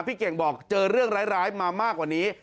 พี่เก่งบอกเจอเรื่องร้ายมามากกว่านี้